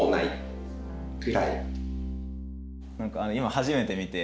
今初めて見て。